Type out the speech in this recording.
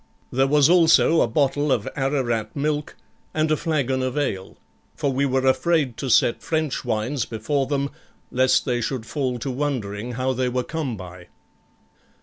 There was also a bottle of Ararat milk, and a flagon of ale, for we were afraid to set French wines before them, lest they should fall to wondering how they were come by.